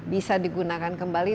bisa digunakan kembali